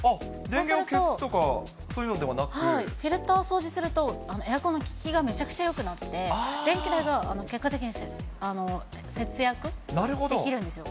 電源を消すとか、そういうのフィルターを掃除すると、エアコンの効きがめちゃくちゃよくなって、電気代が結果的に節約できるんですよ。